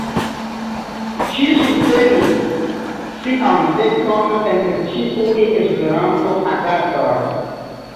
Ŝi subtenis sian edzon en ĉiuj Esperanto-agadoj.